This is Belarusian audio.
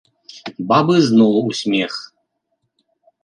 Бабы зноў у смех.